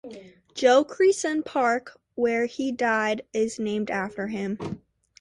Joe Creason Park, where he died, is named after him.